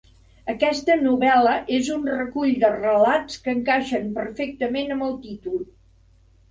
Aquesta novel·la és un recull de relats que encaixen perfectament amb el títol.